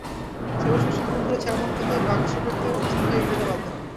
সবে সরষে ফুল ধরেছে এমন খেতে বাক্স পেতে অস্থায়ী ডেরা বাঁধেন।